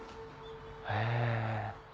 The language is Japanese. へぇ。